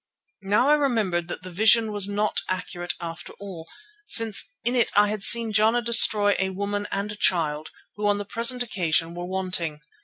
Now I remembered that the vision was not accurate after all, since in it I had seen Jana destroy a woman and a child, who on the present occasion were wanting.